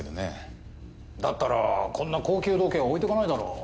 だったらこんな高級時計は置いていかないだろう。